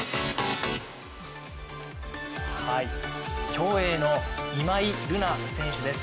競泳の今井月選手です。